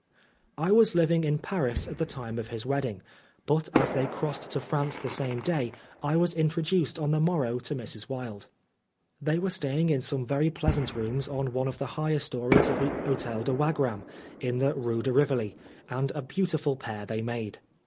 I was living in Paris at the time of his wedding, but as they crossed to France the same day, I was introduced on the morrow to Mrs. Wilde. They were staying in some very pleasant rooms on one of the higher stories of the Hotel de Wagram, in the Rue de Rivoli, and a beautiful pair they made.